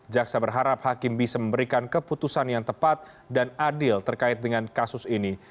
jaksa berharap hakim bisa memberikan keputusan yang tepat dan adil terkait dengan kasus ini